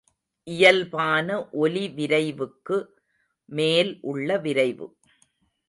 இயல்பான ஒலிவிரைவுக்கு மேல் உள்ள விரைவு.